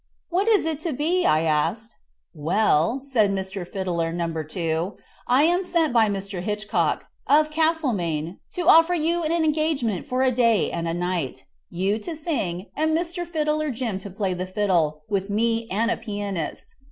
"What is it to be?" I asked. "Well," said Mr. Fiddler No. 2, "I am sent by Mr. Hitchcock, of Castlemaine to offer you an engagement for a day and a night you to sing, and Mr. Fiddler Jim to play the fiddle, with me and a pianist.